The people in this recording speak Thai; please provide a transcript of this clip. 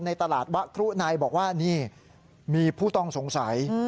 ในตลาดวะครุในบอกว่านี่มีผู้ต้องสงสัย